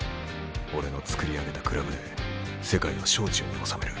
俺の作り上げたクラブで世界を掌中に収める。